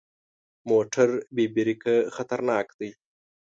موټر بې بریکه خطرناک دی.